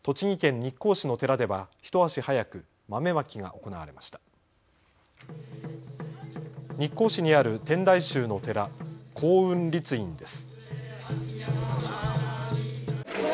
日光市にある天台宗の寺、興雲律院です。